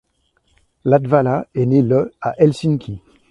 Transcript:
Latvala est né le à Helsinki.